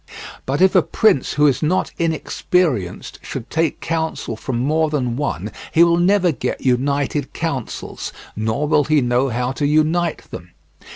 But if a prince who is not inexperienced should take counsel from more than one he will never get united counsels, nor will he know how to unite them.